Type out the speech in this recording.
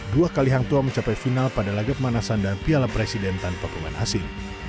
dua kali hangtua mencapai final pada laga pemanasan dan piala presiden tanpa pemain asing